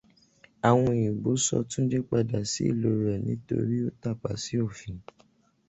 Àwọn òyìnbó sọ Túndé padà sí ìlú rẹ̀ nítorí ó tàpa sí òfin.